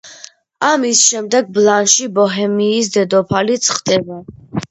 ამის შემდეგ ბლანში ბოჰემიის დედოფალიც ხდება.